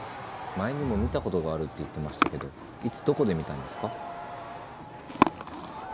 前にも見たことがあるって言ってましたけどいつどこで見たんですか？